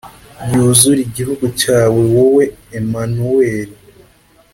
yuzure igihugu cyawe, wowe Emanuweli!